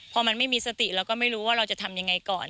พอมันไม่มีสติเราก็ไม่รู้ว่าเราจะทำยังไงก่อน